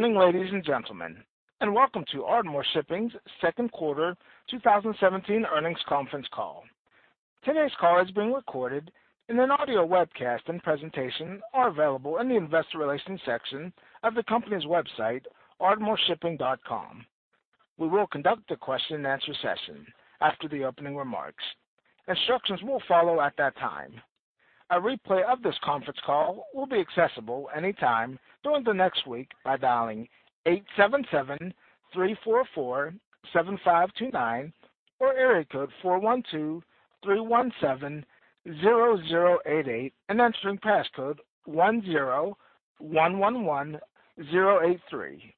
Good morning, ladies and gentlemen, and welcome to Ardmore Shipping's second quarter 2017 earnings conference call. Today's call is being recorded, and an audio webcast and presentation are available in the investor relations section of the company's website, ardmoreshipping.com. We will conduct a question-and-answer session after the opening remarks. Instructions will follow at that time. A replay of this conference call will be accessible anytime during the next week by dialing 877-344-7529 or area code 412-317-0088 and entering passcode 10111083.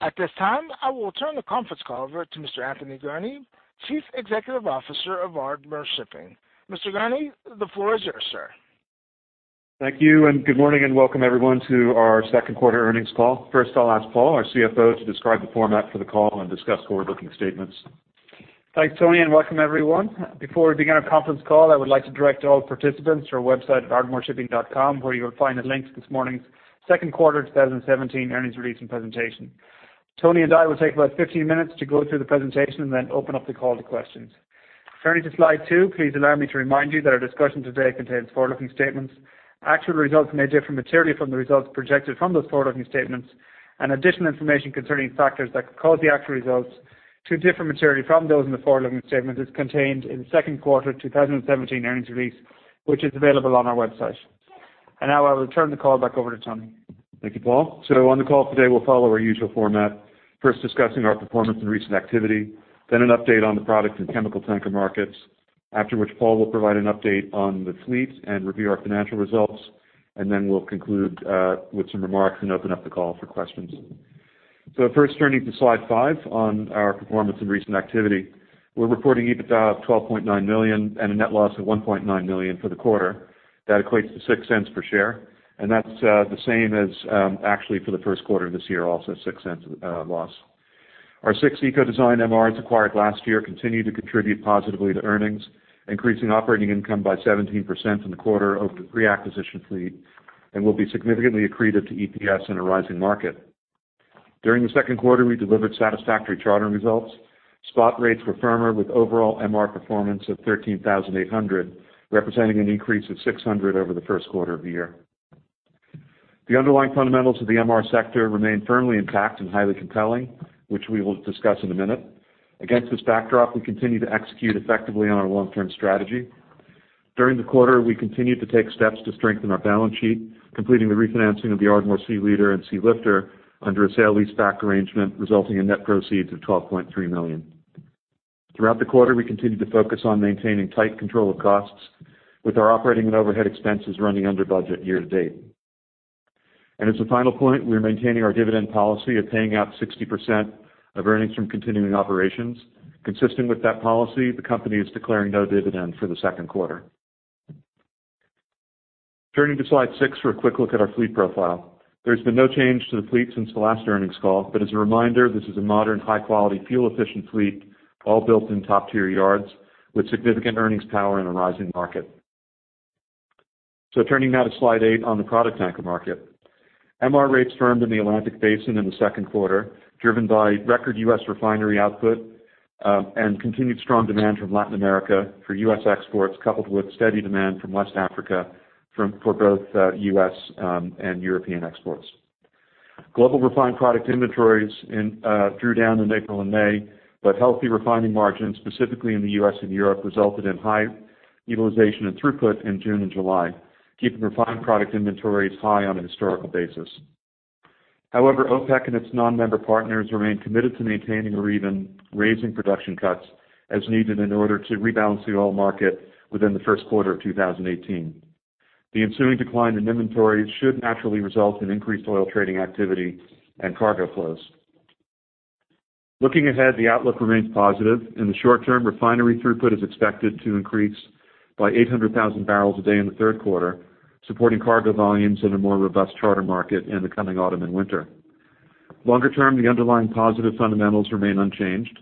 At this time, I will turn the conference call over to Mr. Anthony Gurnee, Chief Executive Officer of Ardmore Shipping. Mr. Gurnee, the floor is yours, sir. Thank you, and good morning, and welcome everyone to our second quarter earnings call. First, I'll ask Paul, our CFO, to describe the format for the call and discuss forward-looking statements. Thanks, Tony, and welcome everyone. Before we begin our conference call, I would like to direct all participants to our website at ardmoreshipping.com, where you will find a link to this morning's second quarter 2017 earnings release and presentation. Tony and I will take about 15 minutes to go through the presentation and then open up the call to questions. Turning to slide 2, please allow me to remind you that our discussion today contains forward-looking statements. Actual results may differ materially from the results projected from those forward-looking statements, and additional information concerning factors that could cause the actual results to differ materially from those in the forward-looking statements is contained in the second quarter 2017 earnings release, which is available on our website. And now I will turn the call back over to Tony. Thank you, Paul. On the call today, we'll follow our usual format, first discussing our performance and recent activity, then an update on the product and chemical tanker markets. After which, Paul will provide an update on the fleet and review our financial results, and then we'll conclude with some remarks and open up the call for questions. First, turning to slide 5 on our performance and recent activity. We're reporting EBITDA of $12.9 million and a net loss of $1.9 million for the quarter. That equates to $0.06 per share, and that's the same as, actually, for the first quarter this year, also $0.06 loss. Our six Eco-Design MRs acquired last year continue to contribute positively to earnings, increasing operating income by 17% in the quarter over the pre-acquisition fleet and will be significantly accretive to EPS in a rising market. During the second quarter, we delivered satisfactory charter results. Spot rates were firmer, with overall MR performance of $13,800, representing an increase of $600 over the first quarter of the year. The underlying fundamentals of the MR sector remain firmly intact and highly compelling, which we will discuss in a minute. Against this backdrop, we continue to execute effectively on our long-term strategy. During the quarter, we continued to take steps to strengthen our balance sheet, completing the refinancing of the Ardmore Sealeader and Sealifter under a sale-leaseback arrangement, resulting in net proceeds of $12.3 million. Throughout the quarter, we continued to focus on maintaining tight control of costs, with our operating and overhead expenses running under budget year to date. As a final point, we are maintaining our dividend policy of paying out 60% of earnings from continuing operations. Consistent with that policy, the company is declaring no dividend for the second quarter. Turning to slide 6 for a quick look at our fleet profile. There's been no change to the fleet since the last earnings call, but as a reminder, this is a modern, high-quality, fuel-efficient fleet, all built in top-tier yards, with significant earnings power in a rising market. Turning now to slide 8 on the product tanker market. MR rates firmed in the Atlantic Basin in the second quarter, driven by record US refinery output, and continued strong demand from Latin America for US exports, coupled with steady demand from West Africa for both US and European exports. Global refined product inventories drew down in April and May, but healthy refining margins, specifically in the US and Europe, resulted in high utilization and throughput in June and July, keeping refined product inventories high on a historical basis. However, OPEC and its non-member partners remain committed to maintaining or even raising production cuts as needed in order to rebalance the oil market within the first quarter of 2018. The ensuing decline in inventories should naturally result in increased oil trading activity and cargo flows. Looking ahead, the outlook remains positive. In the short term, refinery throughput is expected to increase by 800,000 barrels a day in the third quarter, supporting cargo volumes in a more robust charter market in the coming autumn and winter. Longer term, the underlying positive fundamentals remain unchanged.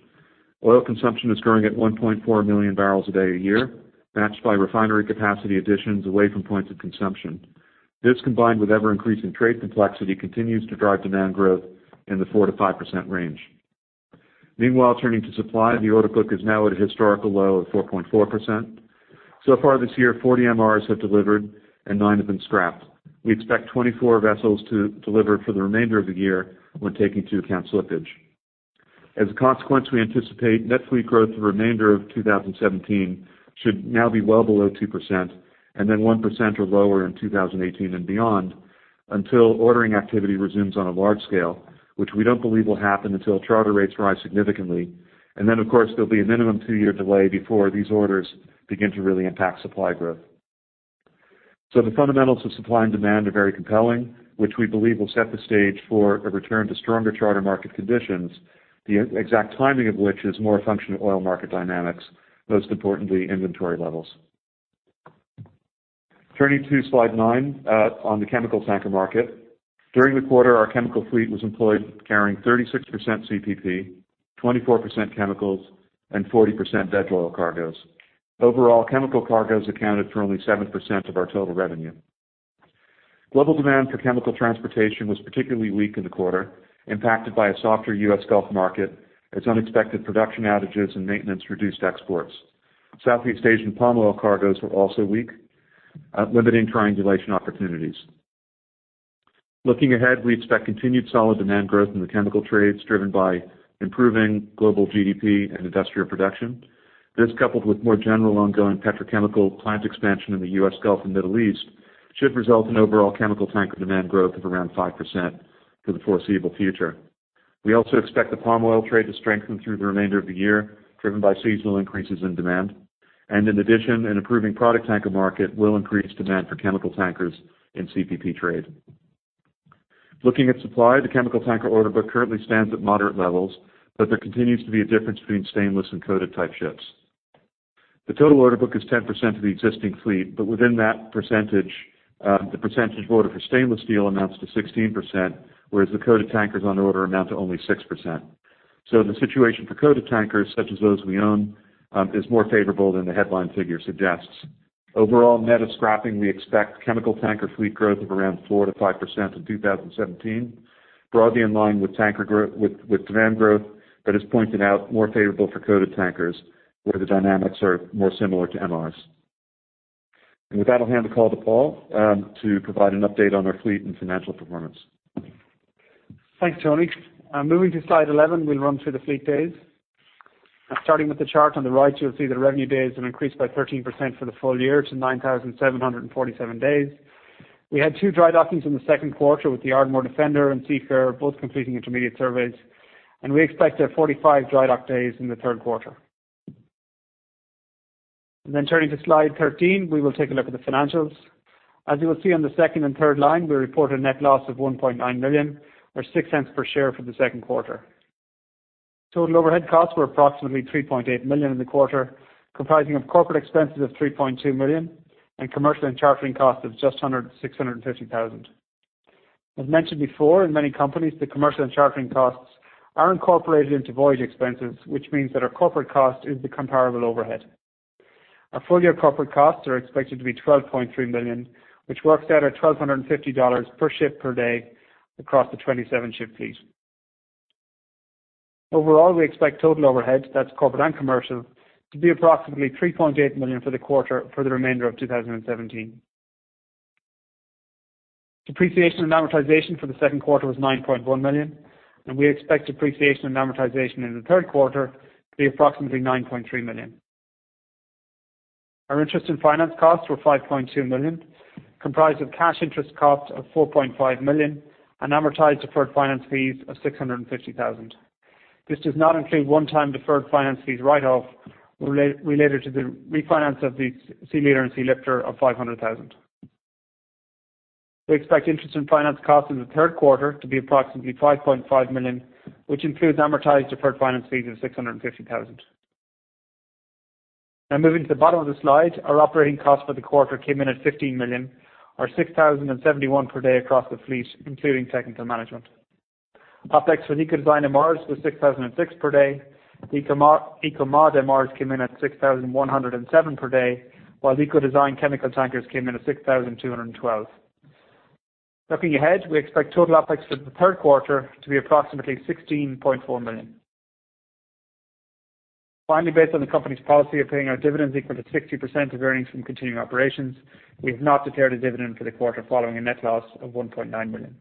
Oil consumption is growing at 1.4 million barrels a day a year, matched by refinery capacity additions away from points of consumption. This, combined with ever-increasing trade complexity, continues to drive demand growth in the 4%-5% range. Meanwhile, turning to supply, the order book is now at a historical low of 4.4%. So far this year, 40 MRs have delivered and nine have been scrapped. We expect 24 vessels to deliver for the remainder of the year when taking into account slippage. As a consequence, we anticipate net fleet growth for the remainder of 2017 should now be well below 2% and then 1% or lower in 2018 and beyond, until ordering activity resumes on a large scale, which we don't believe will happen until charter rates rise significantly. And then, of course, there'll be a minimum two-year delay before these orders begin to really impact supply growth. So the fundamentals of supply and demand are very compelling, which we believe will set the stage for a return to stronger charter market conditions, the exact timing of which is more a function of oil market dynamics, most importantly, inventory levels. Turning to slide 9, on the chemical tanker market. During the quarter, our chemical fleet was employed, carrying 36% CPP, 24% chemicals and 40% Veg iil cargoes. Overall, chemical cargoes accounted for only 7% of our total revenue. Global demand for chemical transportation was particularly weak in the quarter, impacted by a softer US Gulf market, as unexpected production outages and maintenance reduced exports. Southeast Asian palm oil cargoes were also weak, limiting triangulation opportunities. Looking ahead, we expect continued solid demand growth in the chemical trades, driven by improving global GDP and industrial production. This, coupled with more general ongoing petrochemical plant expansion in the US Gulf and Middle East, should result in overall chemical tanker demand growth of around 5% for the foreseeable future. We also expect the palm oil trade to strengthen through the remainder of the year, driven by seasonal increases in demand. And in addition, an improving product tanker market will increase demand for chemical tankers in CPP trade. Looking at supply, the chemical tanker order book currently stands at moderate levels, but there continues to be a difference between stainless and coated type ships. The total order book is 10% of the existing fleet, but within that percentage, the percentage order for stainless steel amounts to 16%, whereas the coated tankers on order amount to only 6%. So the situation for coated tankers, such as those we own, is more favorable than the headline figure suggests. Overall, net of scrapping, we expect chemical tanker fleet growth of around 4%-5% in 2017, broadly in line with tanker growth with demand growth, but as pointed out, more favorable for coated tankers, where the dynamics are more similar to MRs. With that, I'll hand the call to Paul to provide an update on our fleet and financial performance. Thanks, Tony. I'm moving to slide 11. We'll run through the fleet days. Starting with the chart on the right, you'll see the revenue days have increased by 13% for the full year to 9,747 days. We had two dry dockings in the second quarter with the Ardmore Defender and Ardmore Seafarer, both completing intermediate surveys, and we expect there are 45 dry dock days in the third quarter. Then turning to slide 13, we will take a look at the financials. As you will see on the second and third line, we reported net loss of $1.9 million, or $0.06 per share for the second quarter. Total overhead costs were approximately $3.8 million in the quarter, comprising of corporate expenses of $3.2 million and commercial and chartering costs of just six hundred and fifty thousand. As mentioned before, in many companies, the commercial and chartering costs are incorporated into voyage expenses, which means that our corporate cost is the comparable overhead. Our full year corporate costs are expected to be $12.3 million, which works out at $1,250 per ship per day across the 27-ship fleet. Overall, we expect total overhead, that's corporate and commercial, to be approximately $3.8 million for the quarter for the remainder of 2017. Depreciation and amortization for the second quarter was $9.1 million, and we expect depreciation and amortization in the third quarter to be approximately $9.3 million. Our interest in finance costs were $5.2 million, comprised of cash interest costs of $4.5 million and amortized deferred finance fees of $650,000. This does not include one-time deferred finance fees write-off related to the refinance of the Sealeader and Sealifter of $500,000. We expect interest in finance costs in the third quarter to be approximately $5.5 million, which includes amortized deferred finance fees of $650,000. Now, moving to the bottom of the slide, our operating costs for the quarter came in at $15 million, or 6,071 per day across the fleet, including technical management. OPEX for Eco-Design MRs was 6,006 per day. Eco-Mod MRs came in at $6,107 per day, while Eco-Design chemical tankers came in at $6,212. Looking ahead, we expect total OPEX for the third quarter to be approximately $16.4 million. Finally, based on the company's policy of paying our dividends equal to 60% of earnings from continuing operations, we have not declared a dividend for the quarter following a net loss of $1.9 million.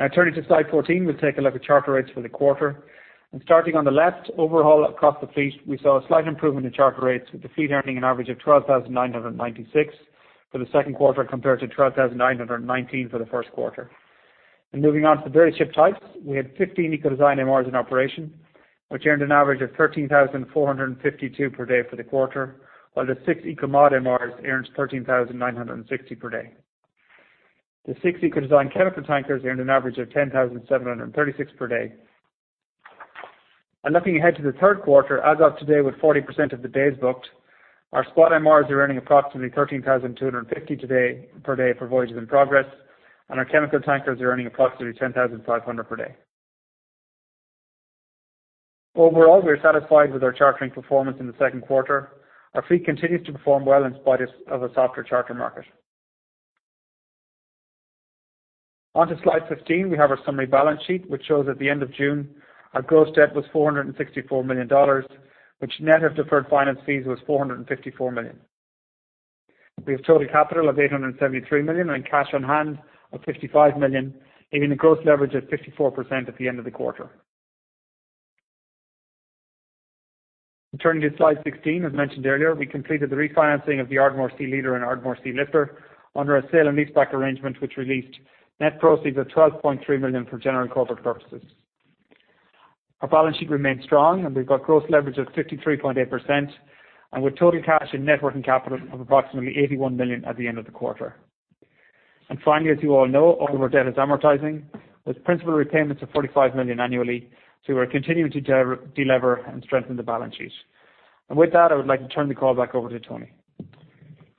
Now, turning to slide 14, we'll take a look at charter rates for the quarter. And starting on the left, overall, across the fleet, we saw a slight improvement in charter rates, with the fleet earning an average of $12,996 for the second quarter, compared to $12,919 for the first quarter. Moving on to the various ship types, we had 15 Eco-Design MRs in operation, which earned an average of $13,452 per day for the quarter, while the 6 Eco-Mod MRs earned $13,960 per day. The 6 Eco-Design chemical tankers earned an average of $10,736 per day. Looking ahead to the third quarter, as of today, with 40% of the days booked, our spot MRs are earning approximately $13,250 per day for voyages in progress, and our chemical tankers are earning approximately $10,500 per day. Overall, we are satisfied with our chartering performance in the second quarter. Our fleet continues to perform well in spite of a softer charter market. On to slide 15, we have our summary balance sheet, which shows at the end of June, our gross debt was $464 million, which net of deferred finance fees, was $454 million. We have total capital of $873 million and cash on hand of $55 million, giving a gross leverage of 54% at the end of the quarter. Turning to slide 16, as mentioned earlier, we completed the refinancing of the Ardmore Sealeader and Ardmore Sealifter under a sale and leaseback arrangement, which released net proceeds of $12.3 million for general and corporate purposes. Our balance sheet remains strong, and we've got gross leverage of 53.8%, and with total cash and net working capital of approximately $81 million at the end of the quarter. And finally, as you all know, all of our debt is amortizing, with principal repayments of $45 million annually, so we're continuing to delever and strengthen the balance sheet. With that, I would like to turn the call back over to Tony.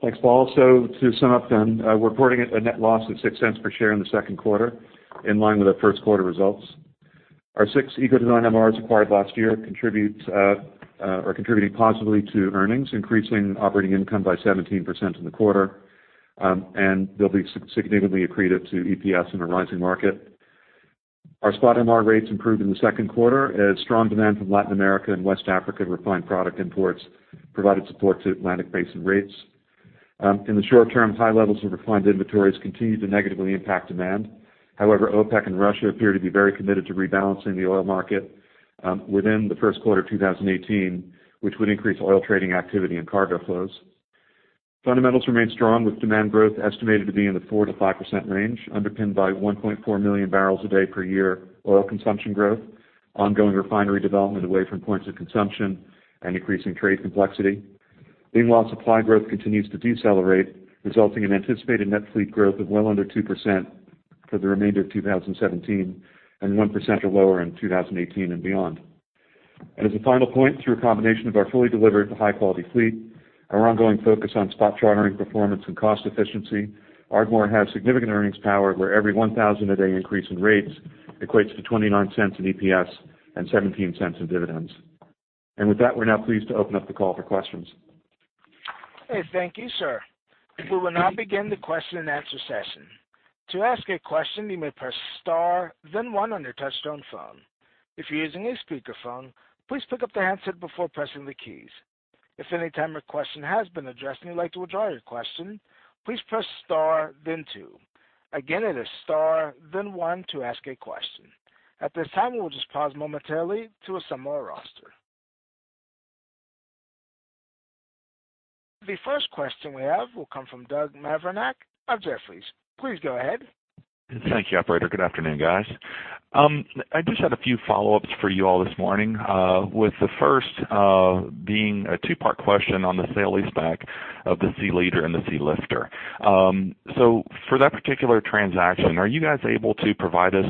Thanks, Paul. So to sum up then, we're reporting a net loss of $0.06 per share in the second quarter, in line with our first quarter results. Our six Eco-Design MRs acquired last year are contributing positively to earnings, increasing operating income by 17% in the quarter, and they'll be significantly accretive to EPS in a rising market. Our spot MR rates improved in the second quarter as strong demand from Latin America and West Africa refined product imports provided support to Atlantic Basin rates. In the short term, high levels of refined inventories continue to negatively impact demand. However, OPEC and Russia appear to be very committed to rebalancing the oil market within the first quarter of 2018, which would increase oil trading activity and cargo flows. Fundamentals remain strong, with demand growth estimated to be in the 4%-5% range, underpinned by 1.4 million barrels a day per year oil consumption growth, ongoing refinery development away from points of consumption and increasing trade complexity. Meanwhile, supply growth continues to decelerate, resulting in anticipated net fleet growth of well under 2% for the remainder of 2017, and 1% or lower in 2018 and beyond. As a final point, through a combination of our fully delivered and high-quality fleet, our ongoing focus on spot chartering performance and cost efficiency, Ardmore has significant earnings power, where every $1,000 a day increase in rates equates to $0.29 in EPS and $0.17 in dividends. With that, we're now pleased to open up the call for questions. Okay, thank you, sir. We will now begin the question and answer session. To ask a question, you may press star then one on your touch-tone phone. If you're using a speakerphone, please pick up the handset before pressing the keys. If at any time your question has been addressed and you'd like to withdraw your question, please press star then two. Again, it is star then one to ask a question. At this time, we'll just pause momentarily to assemble our roster. The first question we have will come from Doug Mavrinac of Jefferies. Please go ahead. Thank you, operator. Good afternoon, guys. I just had a few follow-ups for you all this morning, with the first being a two-part question on the sale-leaseback of the Sealeader and the Sealifter. So for that particular transaction, are you guys able to provide us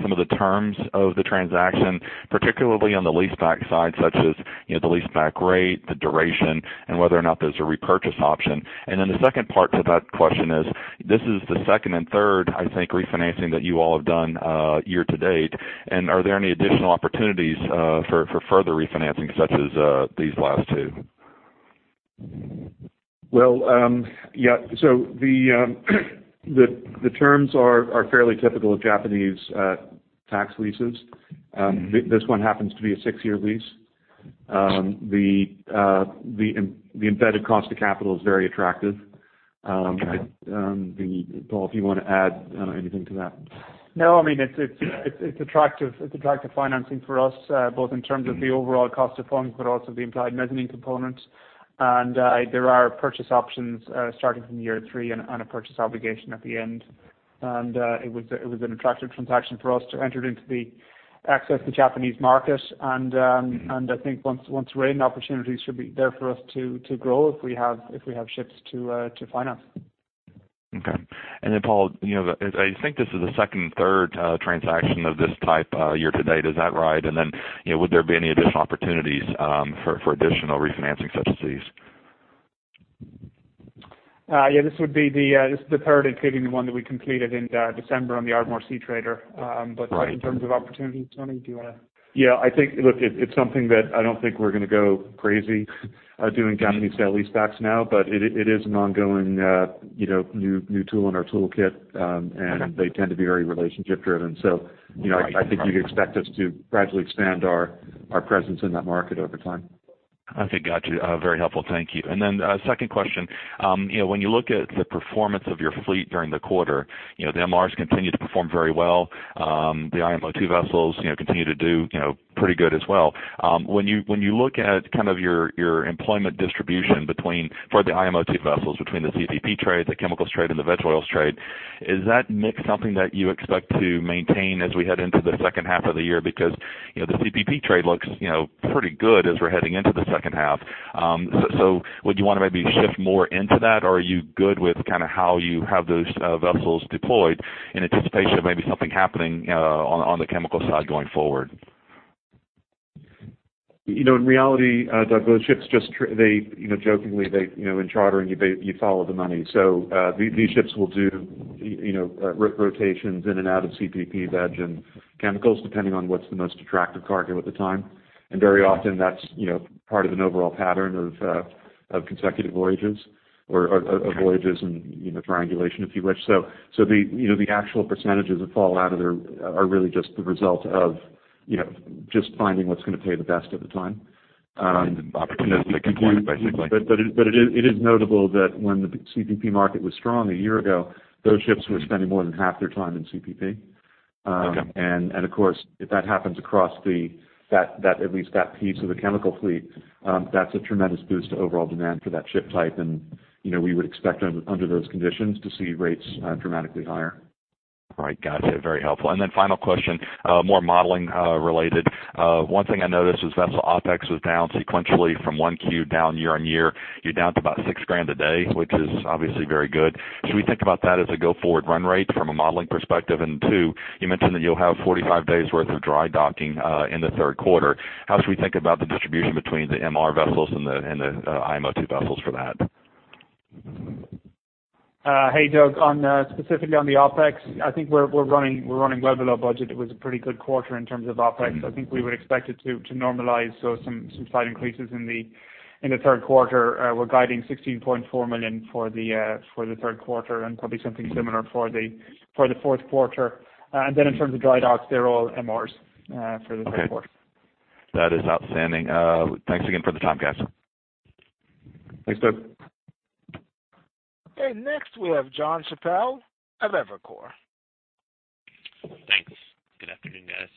some of the terms of the transaction, particularly on the leaseback side, such as, you know, the leaseback rate, the duration, and whether or not there's a repurchase option? And then the second part to that question is, this is the second and third, I think, refinancing that you all have done year to date. And are there any additional opportunities for further refinancing, such as these last two? Well, yeah. So the terms are fairly typical of Japanese tax leases. This one happens to be a six-year lease. The embedded cost of capital is very attractive. Paul, if you want to add anything to that? No, I mean, it's attractive. It's attractive financing for us, both in terms of the overall cost of funds, but also the implied mezzanine component. And there are purchase options starting from year three and a purchase obligation at the end. And it was an attractive transaction for us to access the Japanese market. And I think once rated, opportunities should be there for us to grow, if we have ships to finance. Okay. And then, Paul, you know, I think this is the second and third transaction of this type year to date. Is that right? And then, you know, would there be any additional opportunities for additional refinancing such as these? Yeah, this is the third, including the one that we completed in December on the Ardmore Seatrader. But in terms of opportunities, Tony, do you want to? Yeah, I think, look, it, it's something that I don't think we're going to go crazy doing Japanese sale-leasebacks now, but it, it is an ongoing, you know, new, new tool in our toolkit. They tend to be very relationship-driven. So, you know, I think you'd expect us to gradually expand our, our presence in that market over time. Okay, got you. Very helpful. Thank you. And then, second question. You know, when you look at the performance of your fleet during the quarter, you know, the MRs continue to perform very well. The IMO 2 vessels, you know, continue to do, you know, pretty good as well. When you look at kind of your employment distribution between, for the IMO 2 vessels, between the CPP trade, the chemicals trade, and the veg oils trade, is that mix something that you expect to maintain as we head into the second half of the year? Because, you know, the CPP trade looks, you know, pretty good as we're heading into the second half. So, would you want to maybe shift more into that, or are you good with kind of how you have those vessels deployed in anticipation of maybe something happening on the chemical side going forward? You know, in reality, Doug, those ships just they, you know, jokingly, they, you know, in chartering you, they, you follow the money. So, these, these ships will do, you know, rotations in and out of CPP, veg, and chemicals, depending on what's the most attractive cargo at the time. And very often that's, you know, part of an overall pattern of, of consecutive voyages or, or, or voyages and, you know, triangulation, if you wish. So, so the, you know, the actual percentages that fall out of there are really just the result of, you know, just finding what's going to pay the best at the time. But, but it, but it is, it is notable that when the CPP market was strong a year ago, those ships were spending more than half their time in CPP. Okay. And of course, if that happens across that, at least that piece of the chemical fleet, that's a tremendous boost to overall demand for that ship type. And you know, we would expect under those conditions to see rates dramatically higher. All right. Got you. Very helpful. Then final question, more modeling related. One thing I noticed was vessel OpEx was down sequentially from Q1 down year-on-year. You're down to about $6,000 a day, which is obviously very good. Should we think about that as a go-forward run rate from a modeling perspective? And two, you mentioned that you'll have 45 days worth of dry docking in the third quarter. How should we think about the distribution between the MR vessels and the IMO 2 vessels for that? Hey, Doug. On specifically on the OpEx, I think we're running well below budget. It was a pretty good quarter in terms of OpEx. I think we would expect it to normalize, so some slight increases in the third quarter. We're guiding $16.4 million for the third quarter, and probably something similar for the fourth quarter. And then in terms of dry docks, they're all MRs for the third quarter. Okay. That is outstanding. Thanks again for the time, guys. Thanks, Doug. Next, we have John Chappell of Evercore. Thanks. Good afternoon, guys.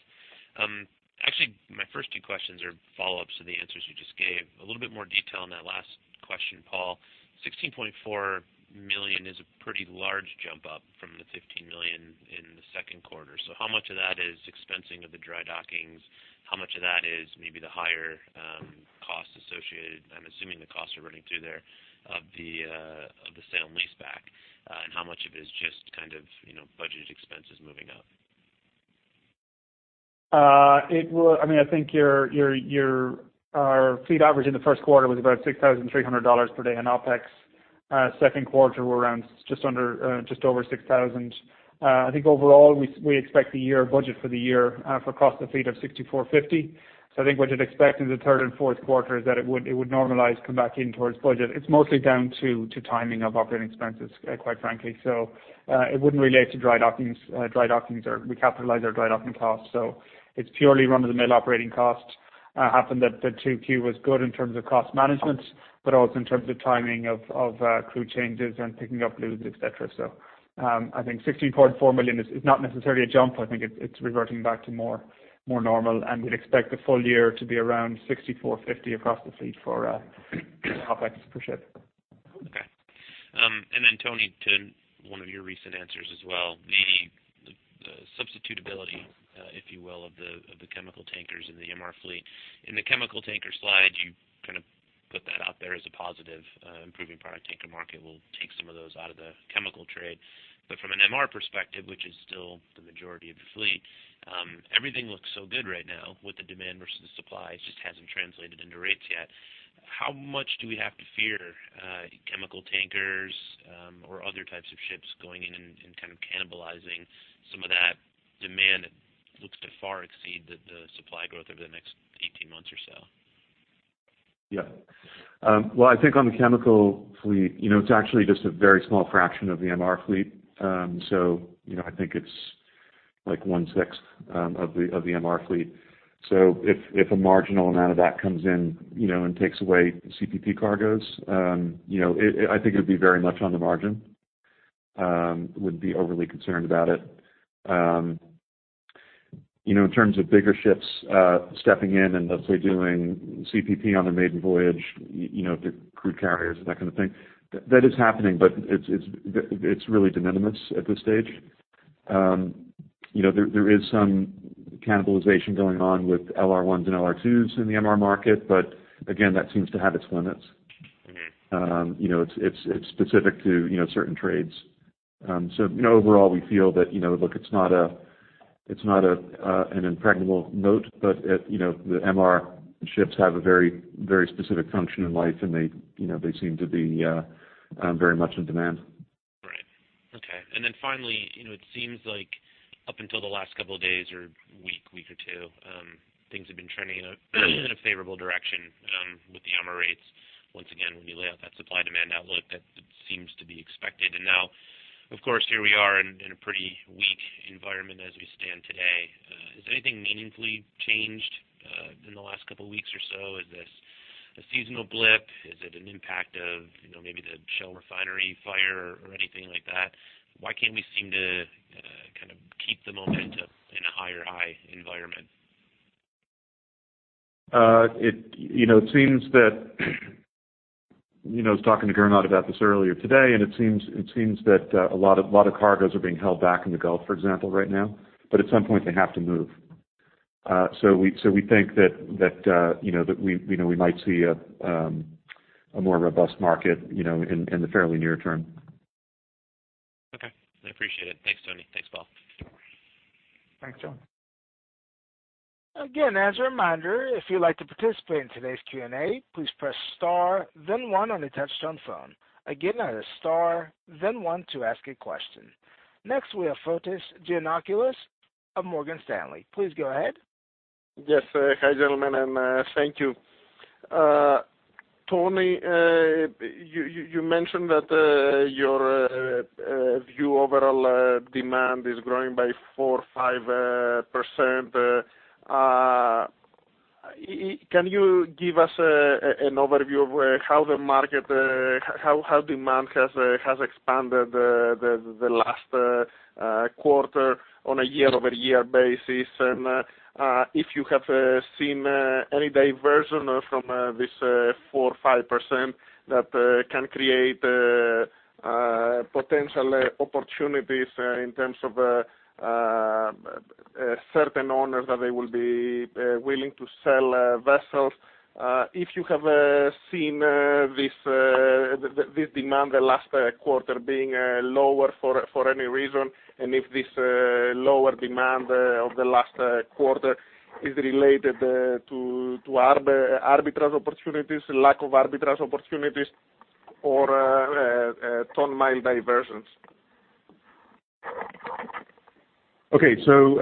Actually, my first two questions are follow-ups to the answers you just gave. A little bit more detail on that last question, Paul. $16.4 million is a pretty large jump up from the $15 million in the second quarter. So how much of that is expensing of the dry dockings? How much of that is maybe the higher costs associated, I'm assuming the costs are running through there, of the sale and lease back? And how much of it is just kind of, you know, budget expenses moving up? I mean, I think our fleet average in the first quarter was about $6,300 per day on OpEx. Second quarter was around just under, just over $6,000. I think overall, we expect the year, budget for the year, for across the fleet of $6,450. So I think what you'd expect in the third and fourth quarter is that it would normalize, come back in towards budget. It's mostly down to timing of operating expenses, quite frankly. So, it wouldn't relate to dry dockings. Dry dockings are we capitalize our dry docking costs, so it's purely run-of-the-mill operating costs. It happened that the 2Q was good in terms of cost management, but also in terms of timing of crew changes and picking up loads, et cetera. So, I think $16.4 million is not necessarily a jump. I think it's reverting back to more normal, and we'd expect the full year to be around $64.50 across the fleet for OpEx per ship. Okay. And then Tony, to one of your recent answers as well, the, the substitutability, if you will, of the, of the chemical tankers in the MR fleet. In the chemical tanker slide, you kind of put that out there as a positive, improving product tanker market. We'll take some of those out of the chemical trade. But from an MR perspective, which is still the majority of the fleet, everything looks so good right now with the demand versus the supply, it just hasn't translated into rates yet. How much do we have to fear, chemical tankers, or other types of ships going in and kind of cannibalizing some of that demand that looks to far exceed the, the supply growth over the next 18 months or so? Yeah. Well, I think on the chemical fleet, you know, it's actually just a very small fraction of the MR fleet. So, you know, I think it's like one sixth of the MR fleet. So if a marginal amount of that comes in, you know, and takes away CPP cargoes, you know, it, I think it would be very much on the margin. Wouldn't be overly concerned about it. You know, in terms of bigger ships stepping in and let's say, doing CPP on their maiden voyage, you know, the crude carriers, and that kind of thing, that is happening, but it's really de minimis at this stage. You know, there is some cannibalization going on with LR1s and LR2s in the MR market, but again, that seems to have its limits. Mm-hmm. You know, it's specific to, you know, certain trades. So, you know, overall, we feel that, you know, look, it's not an impregnable moat, but, you know, the MR ships have a very, very specific function in life, and they, you know, they seem to be very much in demand. Right. Okay. And then finally, you know, it seems like up until the last couple of days or week or two, things have been trending in a favorable direction with the MR rates. Once again, when you lay out that supply/demand outlook, that seems to be expected. And now, of course, here we are in a pretty weak environment as we stand today. Has anything meaningfully changed in the last couple of weeks or so? Is this a seasonal blip? Is it an impact of, you know, maybe the Shell refinery fire or anything like that? Why can't we seem to kind of keep the momentum in a higher high environment? It seems that, you know, I was talking to Gernot about this earlier today, and it seems that a lot of cargoes are being held back in the Gulf, for example, right now, but at some point, they have to move. So we think that, you know, we might see a more robust market, you know, in the fairly near term. Okay. I appreciate it. Thanks, Tony. Thanks, Paul. Thanks, John. Again, as a reminder, if you'd like to participate in today's Q&A, please press star then one on a touchtone phone. Again, that is star then one to ask a question. Next, we have Fotis Giannakoulis of Morgan Stanley. Please go ahead. Yes. Hi, gentlemen, and thank you. Tony, you mentioned that your view overall demand is growing by 4-5%. Can you give us an overview of how the market, how demand has expanded the last quarter on a year-over-year basis? And if you have seen any diversion from this 4-5% that can create potential opportunities in terms of certain owners that they will be willing to sell vessels? If you have seen this demand the last quarter being lower for any reason, and if this lower demand of the last quarter is related to arbitrage opportunities, lack of arbitrage opportunities, or ton mile diversions? Okay, so,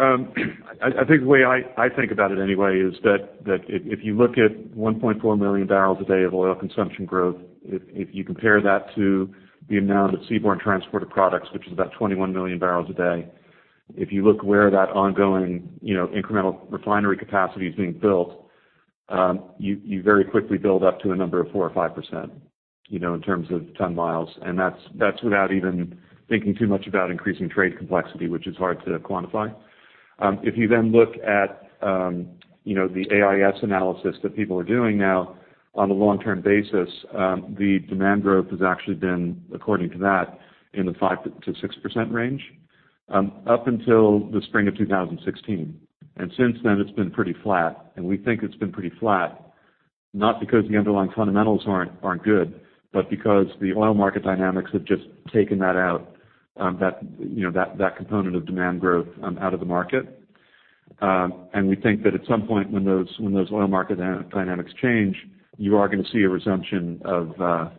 I think the way I think about it anyway is that if you look at 1.4 million barrels a day of oil consumption growth, if you compare that to the amount of seaborne transported products, which is about 21 million barrels a day, if you look where that ongoing, you know, incremental refinery capacity is being built, you very quickly build up to a number of 4%-5%, you know, in terms of ton miles. And that's without even thinking too much about increasing trade complexity, which is hard to quantify. If you then look at, you know, the AIS analysis that people are doing now on a long-term basis, the demand growth has actually been according to that in the 5%-6% range, up until the spring of 2016. And since then, it's been pretty flat, and we think it's been pretty flat, not because the underlying fundamentals aren't good, but because the oil market dynamics have just taken that out, that, you know, that component of demand growth, out of the market. And we think that at some point when those oil market dynamics change, you are gonna see a resumption of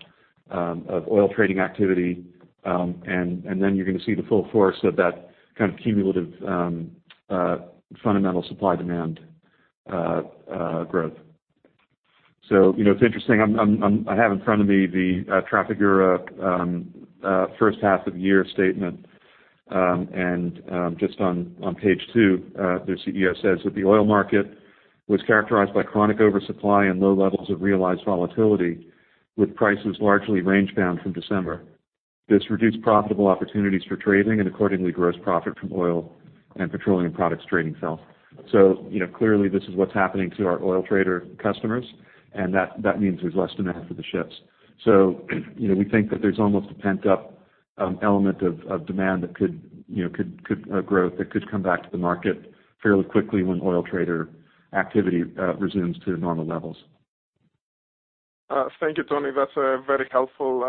oil trading activity, and then you're gonna see the full force of that kind of cumulative fundamental supply-demand growth. So, you know, it's interesting, I'm I have in front of me the Trafigura first half of the year statement. And just on page two, their CEO says that the oil market was characterized by chronic oversupply and low levels of realized volatility, with prices largely range bound from December. This reduced profitable opportunities for trading and accordingly, gross profit from oil and petroleum products trading fell. So, you know, clearly this is what's happening to our oil trader customers, and that means there's less demand for the ships. So, you know, we think that there's almost a pent up element of demand that could, you know, come back to the market fairly quickly when oil trader activity resumes to normal levels. Thank you, Tony. That's very helpful.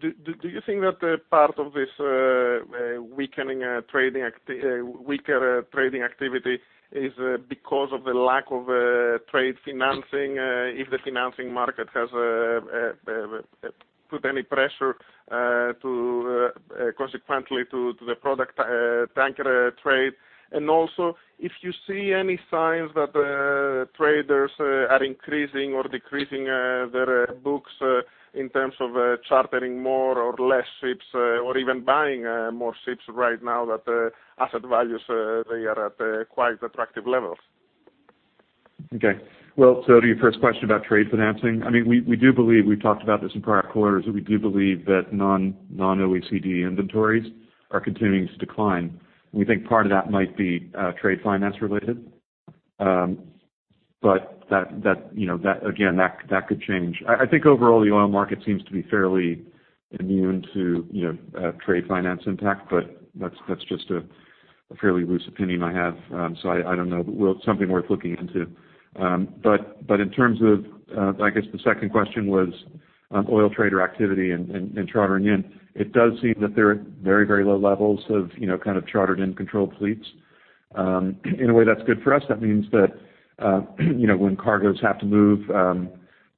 Do you think that part of this weaker trading activity is because of the lack of trade financing, if the financing market has put any pressure, consequently to the product tanker trade? And also, if you see any signs that traders are increasing or decreasing their books in terms of chartering more or less ships or even buying more ships right now that asset values they are at quite attractive levels? Okay. Well, so to your first question about trade financing, I mean, we do believe we've talked about this in prior quarters, we do believe that non-OECD inventories are continuing to decline, and we think part of that might be trade finance related. But that, you know, that again, that could change. I think overall, the oil market seems to be fairly immune to, you know, trade finance impact, but that's just a fairly loose opinion I have. So I don't know, but something worth looking into. But in terms of, I guess, the second question was oil trader activity and chartering in. It does seem that there are very, very low levels of, you know, kind of chartered and controlled fleets. In a way, that's good for us. That means that, you know, when cargoes have to move,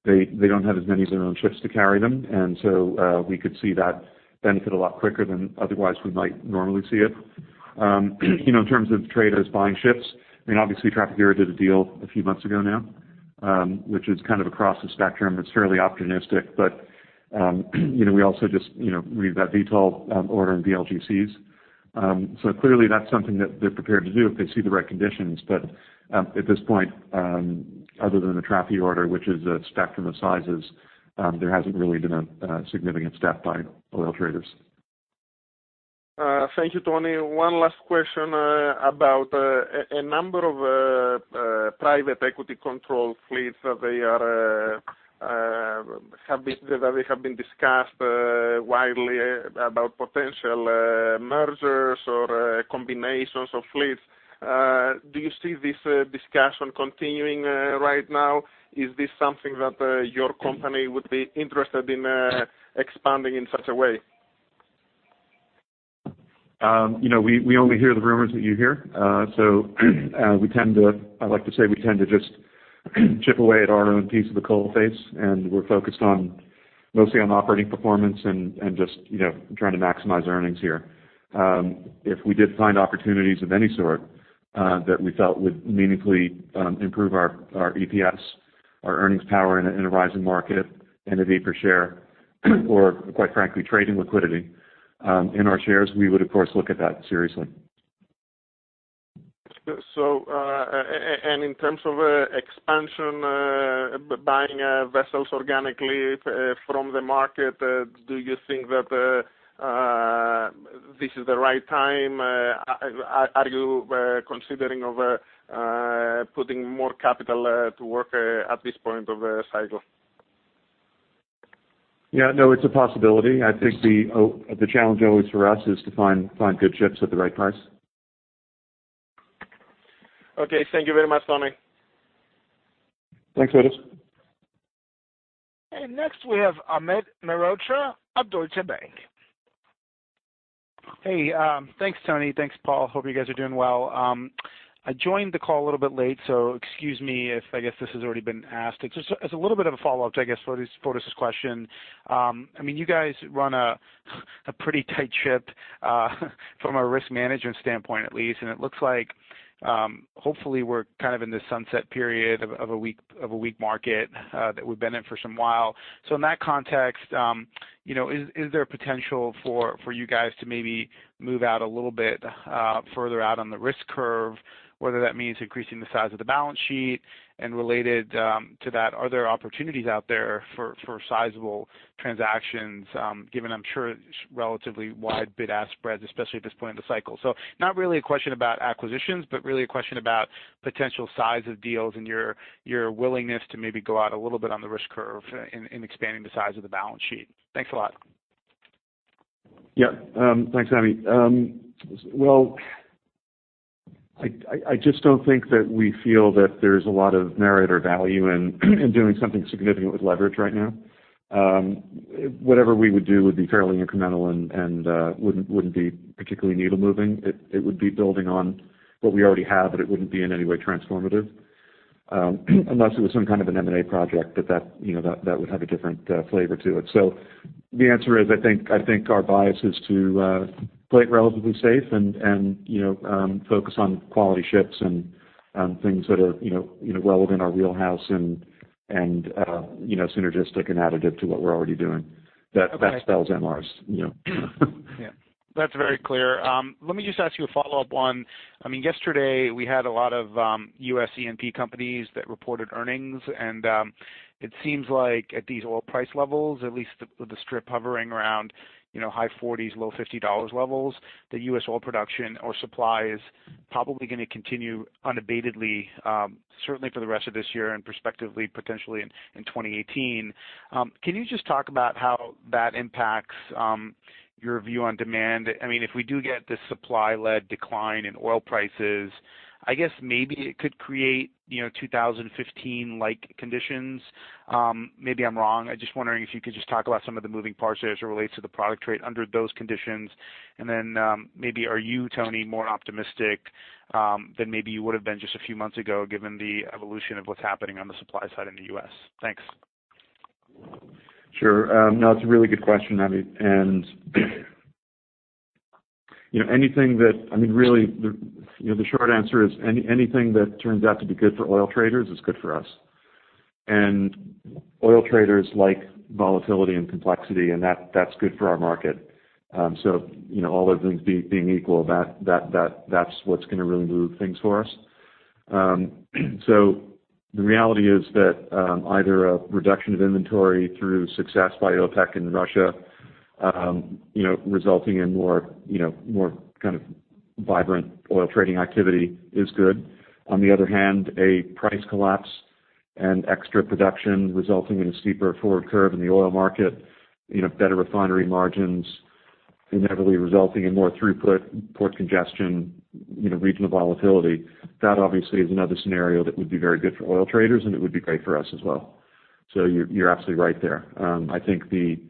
they don't have as many of their own ships to carry them, and so, we could see that benefit a lot quicker than otherwise we might normally see it. You know, in terms of traders buying ships, I mean, obviously Trafigura did a deal a few months ago now, which is kind of across the spectrum. It's fairly opportunistic, but, you know, we also just, you know, read that Vitol order in VLGCs. So clearly, that's something that they're prepared to do if they see the right conditions. But, at this point, other than the Trafigura order, which is a spectrum of sizes, there hasn't really been a significant step by oil traders. Thank you, Tony. One last question about a number of private equity control fleets. They have been discussed widely about potential mergers or combinations of fleets. Do you see this discussion continuing right now? Is this something that your company would be interested in expanding in such a way? You know, we only hear the rumors that you hear. So, I like to say we tend to just chip away at our own piece of the coal face, and we're focused mostly on operating performance and just you know, trying to maximize earnings here. If we did find opportunities of any sort that we felt would meaningfully improve our EPS, our earnings power in a rising market and a deeper share, or quite frankly, trading liquidity in our shares, we would of course look at that seriously. In terms of expansion, buying vessels organically from the market, do you think that this is the right time? Are you considering of putting more capital to work at this point of the cycle? Yeah, no, it's a possibility. I think the challenge always for us is to find good ships at the right price. Okay. Thank you very much, Tony. Thanks, Fotis. Next, we have Amit Mehrotra of Deutsche Bank. Hey, thanks, Tony. Thanks, Paul. Hope you guys are doing well. I joined the call a little bit late, so excuse me if, I guess, this has already been asked. It's just as a little bit of a follow-up to, I guess, Fotis's question. I mean, you guys run a pretty tight ship from a risk management standpoint, at least, and it looks like, hopefully we're kind of in the sunset period of a weak market that we've been in for some while. So in that context, you know, is there potential for you guys to maybe move out a little bit further out on the risk curve, whether that means increasing the size of the balance sheet? And related to that, are there opportunities out there for sizable transactions, given I'm sure relatively wide bid-ask spreads, especially at this point in the cycle? So not really a question about acquisitions, but really a question about potential size of deals and your willingness to maybe go out a little bit on the risk curve in expanding the size of the balance sheet. Thanks a lot. Yeah, thanks, Amit. Well, I just don't think that we feel that there's a lot of merit or value in doing something significant with leverage right now. Whatever we would do would be fairly incremental and wouldn't be particularly needle moving. It would be building on what we already have, but it wouldn't be in any way transformative. Unless it was some kind of an M&A project, but that, you know, that would have a different flavor to it. So the answer is, I think our bias is to play it relatively safe and, you know, focus on quality ships and things that are, you know, well within our wheelhouse and, you know, synergistic and additive to what we're already doing. Okay. That spells MRs, you know? Yeah, that's very clear. Let me just ask you a follow-up on... I mean, yesterday, we had a lot of U.S. E&P companies that reported earnings, and it seems like at these oil price levels, at least the, with the strip hovering around, you know, high 40s-low 50s $ levels, the U.S. oil production or supply is probably gonna continue unabatedly, certainly for the rest of this year and prospectively, potentially in 2018. Can you just talk about how that impacts your view on demand? I mean, if we do get this supply-led decline in oil prices, I guess maybe it could create, you know, 2015-like conditions. Maybe I'm wrong. I'm just wondering if you could just talk about some of the moving parts as it relates to the product trade under those conditions. And then, maybe are you, Tony, more optimistic than maybe you would've been just a few months ago, given the evolution of what's happening on the supply side in the U.S.? Thanks. Sure. No, it's a really good question, Amit, and you know, anything that—I mean, really, the, you know, the short answer is anything that turns out to be good for oil traders is good for us. And oil traders like volatility and complexity, and that, that's good for our market. So, you know, all other things being equal, that, that's what's gonna really move things for us. So the reality is that, either a reduction of inventory through success by OPEC and Russia, you know, resulting in more, you know, more kind of vibrant oil trading activity is good. On the other hand, a price collapse and extra production resulting in a steeper forward curve in the oil market, you know, better refinery margins inevitably resulting in more throughput, port congestion, you know, regional volatility, that obviously is another scenario that would be very good for oil traders, and it would be great for us as well. So you're absolutely right there. I think you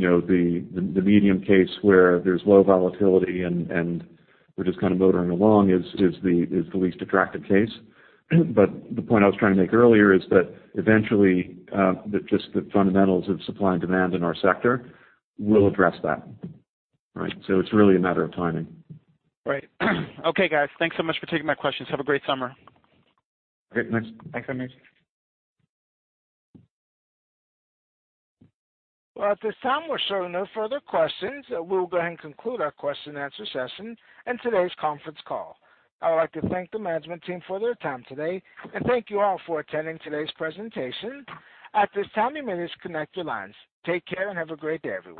know the medium case where there's low volatility and we're just kind of motoring along is the least attractive case. But the point I was trying to make earlier is that eventually just the fundamentals of supply and demand in our sector will address that, right? So it's really a matter of timing. Right. Okay, guys. Thanks so much for taking my questions. Have a great summer. Great. Thanks. Thanks, Amit. Well, at this time, we're showing no further questions. We'll go ahead and conclude our question and answer session and today's conference call. I would like to thank the management team for their time today, and thank you all for attending today's presentation. At this time, you may disconnect your lines. Take care and have a great day, everyone.